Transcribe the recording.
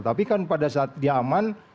tapi kan pada saat dia aman